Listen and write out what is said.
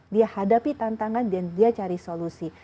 dia hadapi tantangan dan dia cari solusi